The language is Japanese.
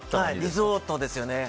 リゾートですよね。